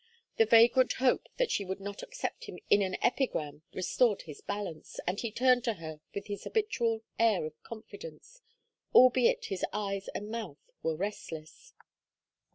The vagrant hope that she would not accept him in an epigram restored his balance, and he turned to her with his habitual air of confidence, albeit his eyes and mouth were restless.